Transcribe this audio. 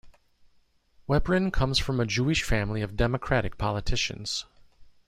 Weprin comes from a Jewish family of Democratic politicians.